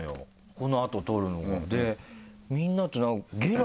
この後撮るの。